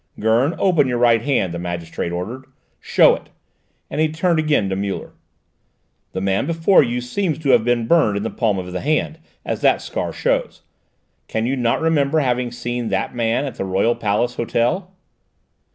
"Gurn, open your right hand," the magistrate ordered. "Show it," and he turned again to Muller. "The man before you seems to have been burned in the palm of the hand, as that scar shows. Can you not remember having seen that man at the Royal Palace Hotel?"